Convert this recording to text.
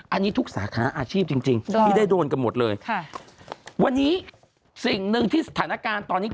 อันนี้ทุกสาขาอาชีพจริงจริงที่ได้โดนกันหมดเลยค่ะวันนี้สิ่งหนึ่งที่สถานการณ์ตอนนี้คือ